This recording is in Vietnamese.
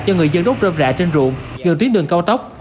do người dân đốt rơm rạ trên ruộng gần tuyến đường cao tốc